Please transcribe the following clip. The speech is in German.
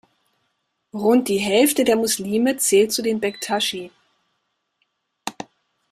Rund die Hälfte der Muslime zählt zu den Bektaschi.